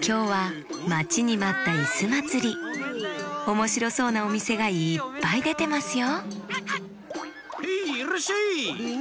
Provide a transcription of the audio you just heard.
おもしろそうなおみせがいっぱいでてますよヘイ！